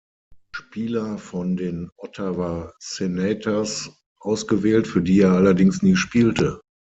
Spieler von den Ottawa Senators ausgewählt, für die er allerdings nie spielte.